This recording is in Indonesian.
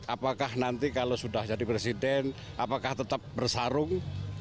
apakah nanti kalau sudah jadi presiden apakah tetap bertarung